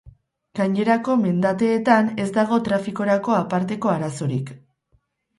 Gainerako mendateetan ez dago trafikorako aparteko arazorik.